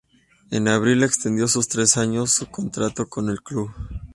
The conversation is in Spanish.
En abril, extendió por tres años su contrato con el club.